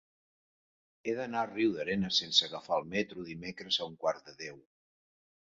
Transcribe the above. He d'anar a Riudarenes sense agafar el metro dimecres a un quart de deu.